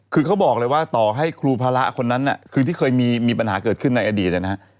คือเขาบอกเลยว่าต่อให้ครูภาระคนนั้นคือที่เคยมีปัญหาเกิดขึ้นในอดีตนะฮะ